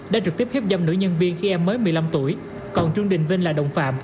đã trực tiếp hiếp dâm nữ nhân viên khi em mới một mươi năm tuổi còn trương đình vinh là đồng phạm